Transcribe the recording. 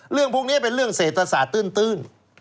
เรื่องพวกนี้เป็นเรื่องเศรษฐศาสตร์ตื้น